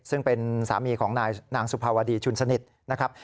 ซึ่งเป็นสามีของนางสุภาวดีชุนสนิทนะครับ